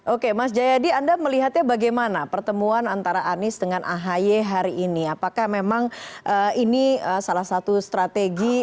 oke mas jayadi anda melihat nya bagaimana pertemuan antara anis dengan ahy hari ini apakah terkait anda di dukungan polisi siapakah percakapan antaranya yang banyak